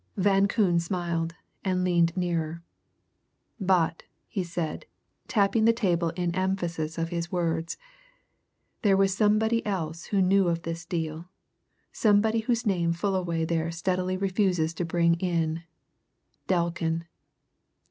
Van Koon smiled, and leaned nearer. "But," he said, tapping the table in emphasis of his words, "there was somebody else who knew of this deal, somebody whose name Fullaway there steadfastly refuses to bring in. Delkin!"